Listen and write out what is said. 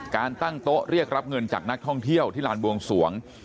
การตั้งโต๊ะเรียกรับเงินจากนักท่องเที่ยวที่ลานบวงสวง